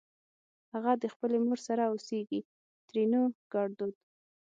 اغه دې خپلې مور سره اوسېږ؛ ترينو ګړدود